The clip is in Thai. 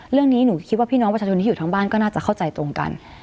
เรื่องนี้หนูคิดว่าพี่น้องประชาชนที่อยู่ทั้งบ้านก็น่าจะเข้าใจตรงกัน